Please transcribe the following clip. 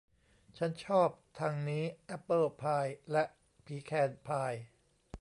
ฉันชอบทางนี้แอบเปิ้ลพายและผีแคนพาย